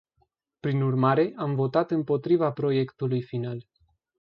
Prin urmare, am votat împotriva proiectului final.